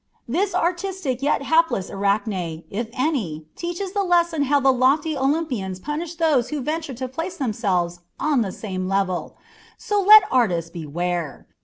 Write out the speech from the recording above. "This artistic yet hapless Arachne, if any one, teaches the lesson how the lofty Olympians punish those who venture to place themselves on the same level; so let artists beware.